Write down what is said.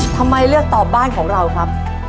ทำไมเลือกตอบบ้านของเราครับ